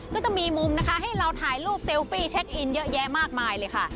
ก็จะมีมุมนะคะให้เราถ่ายรูปเซลฟี่เช็คอินเยอะแยะมากมายเลยค่ะ